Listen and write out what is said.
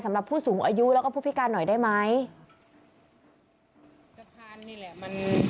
สำหรับผู้สูงอายุแล้วก็ผู้พิการหน่อยได้ไหม